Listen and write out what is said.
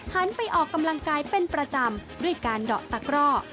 ไปออกกำลังกายเป็นประจำด้วยการดอกตะกร่อ